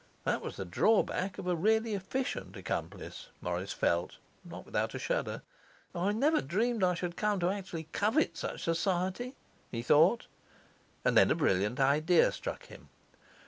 That was the drawback of a really efficient accomplice, Morris felt, not without a shudder. 'I never dreamed I should come to actually covet such society,' he thought. And then a brilliant idea struck him.